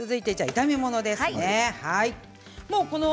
炒め物です。